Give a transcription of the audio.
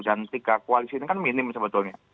dan tiga koalisi ini kan minim sebetulnya